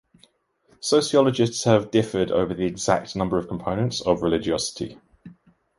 Sociologists have differed over the exact number of components of religiosity.